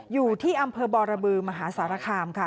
อยู่ที่อำเภอบรบือมหาสารคามค่ะ